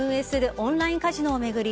オンラインカジノを巡り